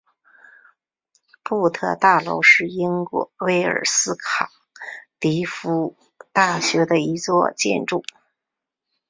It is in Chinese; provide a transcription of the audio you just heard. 布特大楼是英国威尔斯卡迪夫大学的一座建筑。